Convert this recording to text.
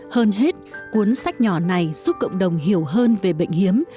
hơn hết cuốn sách nhỏ này giúp cộng đồng hiểu hơn về bệnh hiếm